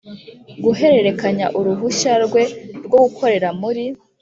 guhererekanya uruhushya rwe rwo gukorera muri